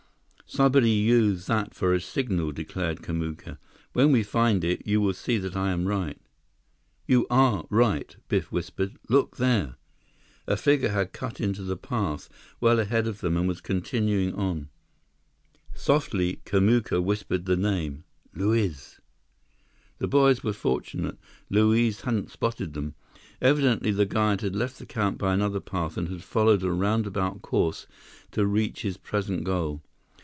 "Somebody use that for a signal," declared Kamuka. "When we find it, you will see that I am right—" "You are right," Biff whispered. "Look there!" A figure had cut into the path well ahead of them and was continuing on. Softly, Kamuka whispered the name: "Luiz!" The boys were fortunate. Luiz hadn't spotted them. Evidently, the guide had left the camp by another path and had followed a roundabout course to reach his present goal.